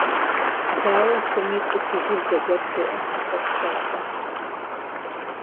Дауэ хъуми, цӏыхугур зэгуэр лъоӏэс и хъуэпсапӏэм.